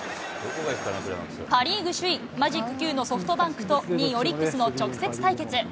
パ・リーグ首位、マジック９のソフトバンクと、２位オリックスの直接対決。